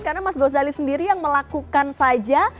karena mas ghazali sendiri yang melakukan saja